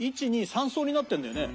１２３層になってるんだよね。